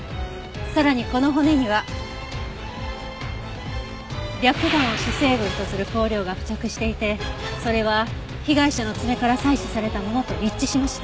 さらにこの骨には白檀を主成分とする香料が付着していてそれは被害者の爪から採取されたものと一致しました。